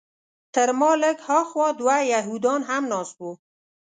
تر ما لږ هاخوا دوه یهودان هم ناست وو.